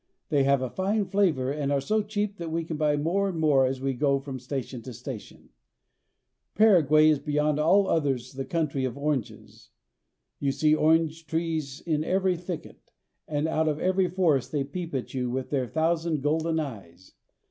They have a fine flavor, and are so cheap that we buy more and more as we go from station to station. 232 PARAGUAY. Paraguay is beyond all others the country of oranges. You see orange trees in every thicket, and out of every forest they peep at you with their thousand golden eyes.